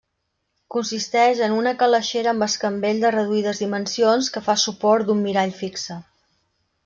Consisteix en una calaixera amb escambell de reduïdes dimensions que fa suport d'un mirall fixe.